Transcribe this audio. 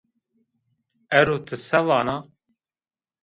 Ero, ti se vana?